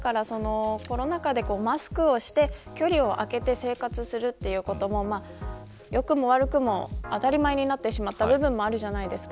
コロナ禍でマスクをして距離をあけて生活をすることが良くも悪くも当たり前になってしまった部分があるじゃないですか。